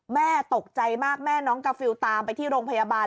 แม่ตกใจมากแม่น้องกาฟิลตามไปที่โรงพยาบาล